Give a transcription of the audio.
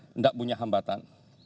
tidak punya hambatan